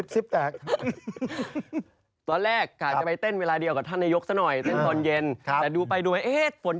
ซิคแพทกับลขั้าขนาดแปลง